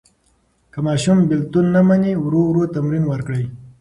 که ماشوم بېلتون نه مني، ورو ورو تمرین ورکړئ.